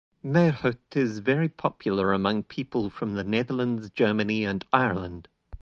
Meerhout is very popular among people from The Netherlands, Germany and Ireland.